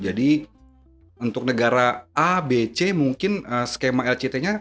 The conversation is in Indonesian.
jadi untuk negara a b c mungkin skema lct nya